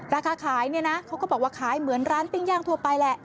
ราคาขายเนี่ยนะเขาก็บอกว่าขายเหมือนร้านปิ้งย่างทั่วไปแหละ